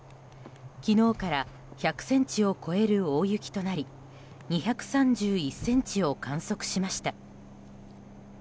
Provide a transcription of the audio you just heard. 昨日から１００ｃｍを超える大雪となり２３１ｃｍを観測しました。